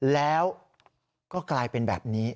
แล้วก็กลายเป็นแบบนี้